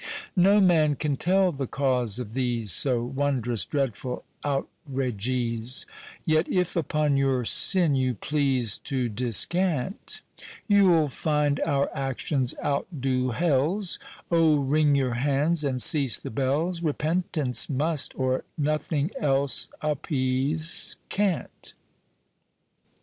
No man can tell the cause of these So wondrous dreadful outrages; Yet if upon your sinne you please To discant, You'le find our actions out doe hell's; O wring your hands and cease the bells, Repentance must, or nothing else Appease can't.